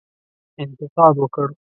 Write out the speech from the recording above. انتقاد وکړ.